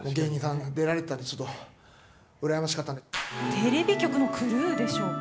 テレビ局のクルーでしょうか？